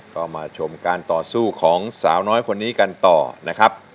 ก็มาชมการต่อสู้ของสาวน้อยคนนี้กันต่อนะครับ